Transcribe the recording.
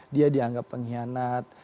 dia dianggap pengkhianat